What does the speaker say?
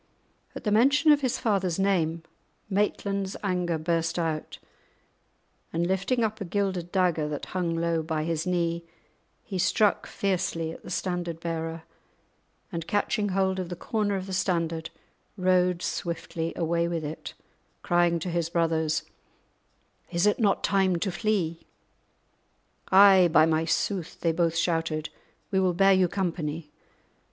At the mention of his father's name Maitland's anger burst out, and lifting up a gilded dagger that hung low by his knee, he struck fiercely at the standard bearer, and, catching hold of the corner of the standard, rode swiftly away with it, crying to his brothers, "Is it not time to flee?" "Ay, by my sooth," they both shouted, "we will bear you company."